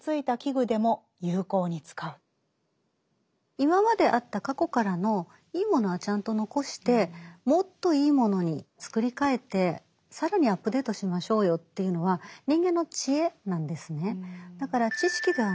今まであった過去からのいいものはちゃんと残してもっといいものに作り替えて更にアップデートしましょうよというのは人間の知恵なんですね。